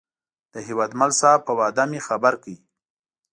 د هیوادمل صاحب په وعده مې خبر کړ.